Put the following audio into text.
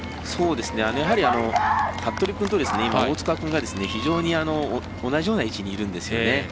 やはり、服部君と大塚君が非常に同じような位置にいるんです。